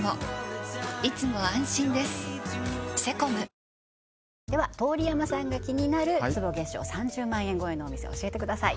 それはでは通山さんが気になる坪月商３０万円超えのお店教えてください